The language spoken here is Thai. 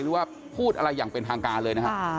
หรือว่าพูดอะไรอย่างเป็นทางการเลยนะฮะ